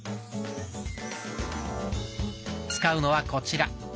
使うのはこちら。